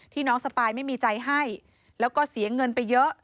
น้องสปายไม่มีใจให้แล้วก็เสียเงินไปเยอะ